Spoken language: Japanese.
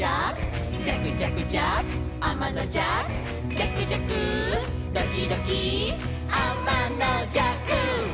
「じゃくじゃくドキドキあまのじゃく」